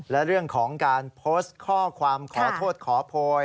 และเรื่องของการโพสต์ข้อความขอโทษขอโพย